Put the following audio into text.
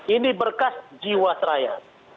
ini berkas jiwa seraya